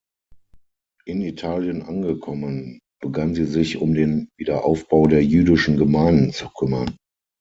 In Italien angekommen, begann sie sich um den Wiederaufbau der jüdischen Gemeinden zu kümmern.